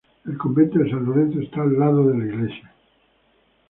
El convento de San Lorenzo está al lado de la iglesia.